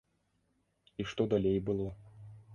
І што далей было?